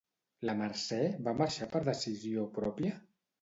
La Mercè va marxar per decisió pròpia?